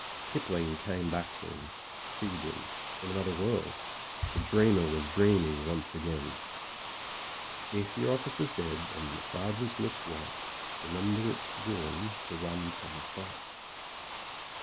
... Kipling came back to him — feebly, from another world. The dreamer was dreaming once again. PRIVATE MEYRICK— CXDMPANY IDIOT 71 "If your officer's dead and the sergeants look white. Remember it's ruin to run from a fight."